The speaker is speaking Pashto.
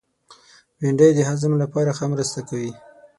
بېنډۍ د هضم لپاره ښه مرسته ده